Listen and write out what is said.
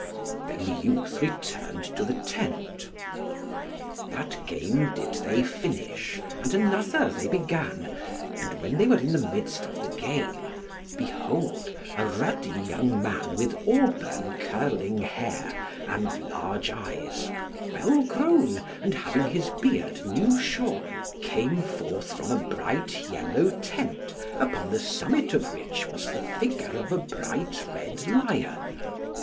Then the youth returned to the tent. That game did they finish, and another they began, and when they were in the midst of the game, behold, a ruddy young man with auburn curling hair, and large eyes, well grown, and having his beard new shorn, came forth from a bright yellow tent, upon the summit of which was the figure of a bright red lion.